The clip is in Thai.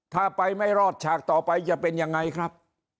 ถ้าไปไม่รอดฉากต่อไปจะเป็นยังไงครับ